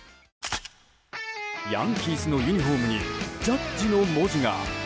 ヤンキースのユニホームにジャッジの文字が。